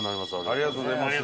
ありがとうございます。